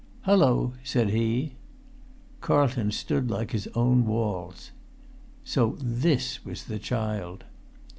"Hallo!" said he. Carlton stood like his own walls. So this was the child.